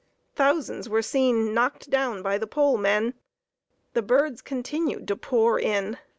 Thousands were seen knocked down by the pole men. The birds continued to pour in.